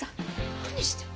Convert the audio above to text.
何してんの。